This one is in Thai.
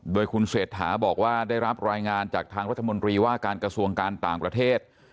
โดยคุณเศรษฐาบอกว่าได้รับรายงานจากทางรัฐมนตรีว่าการกระทรวงการต่างประเทศ